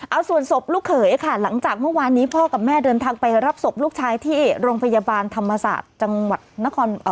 เอาส่วนศพลูกเขยค่ะหลังจากเมื่อวานนี้พ่อกับแม่เดินทางไปรับศพลูกชายที่โรงพยาบาลธรรมศาสตร์จังหวัดนคร